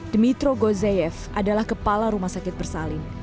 dmitro gozeyev adalah kepala rumah sakit bersalin